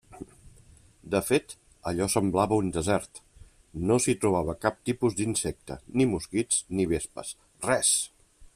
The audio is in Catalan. De fet, allò semblava un desert: no s'hi trobava cap tipus d'insecte, ni mosquits, ni vespes, res!